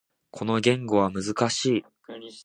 この言語は難しい。